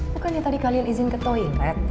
bukannya tadi kalian izin ke toilet